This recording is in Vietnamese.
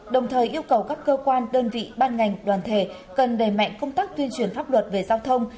đồng thời yêu cầu các cơ quan đơn vị ban ngành đoàn thể cần đẩy mạnh công tác tuyên truyền pháp luật về giao thông